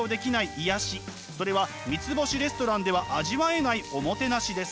それは三つ星レストランでは味わえないおもてなしです。